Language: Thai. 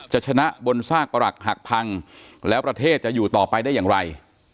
ชนะบนซากประหลักหักพังแล้วประเทศจะอยู่ต่อไปได้อย่างไร